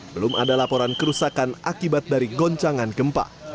belum ada laporan kerusakan akibat dari goncangan gempa